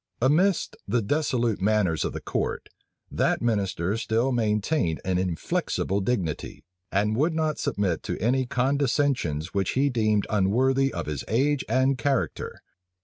Amidst the dissolute manners of the court, that minister still maintained an inflexible dignity, and would not submit to any condescensions which he deemed unworthy of his age and character.